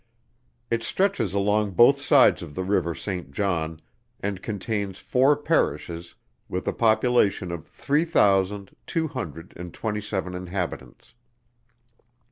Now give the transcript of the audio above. It stretches along both sides of the river Saint John, and contains four Parishes, with a population of three thousand two hundred and twenty seven inhabitants.